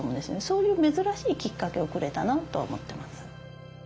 そういう珍しいきっかけをくれたなと思ってます。